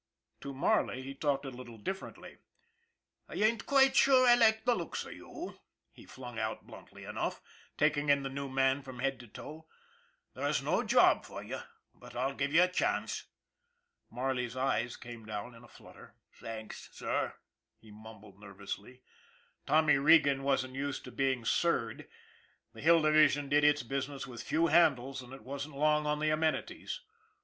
To Marley he talked a little differently. " I ain't quite sure I like the looks of you/' he flung out bluntly enough, taking in the new man from head to toe. " There's no job for you, but I'll give you a chance." Marley's eyes came down in a flutter. 214 ON THE IRON AT BIG CLOUD " Thanks, sir," he mumbled nervously. Tommy Regan wasn't used to being " sir " ed the Hill Division did its business with few handles and it wasn't long on the amenities.